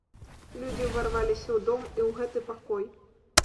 Людзі ўварваліся ў дом і ў гэты пакой.